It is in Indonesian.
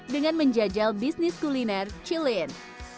dengan menjajal bisnis kuliner cilin